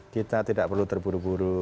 kita tidak perlu terburu buru